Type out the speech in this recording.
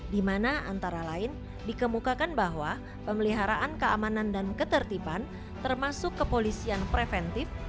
di mana antara lain dikemukakan bahwa pemeliharaan keamanan dan ketertiban termasuk kepolisian preventif